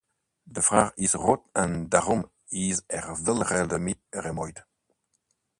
De vraag is groot en daarom is er veel geld mee gemoeid.